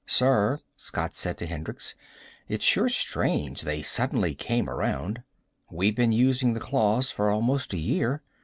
"Sir," Scott said to Hendricks. "It's sure strange they suddenly came around. We've been using the claws for almost a year.